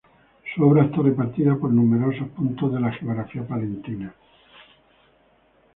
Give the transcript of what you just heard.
Su obra está repartida por numerosos puntos de la geografía palentina.